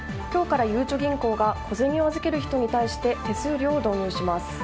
今日から、ゆうちょ銀行が小銭を預ける人に対して手数料を導入します。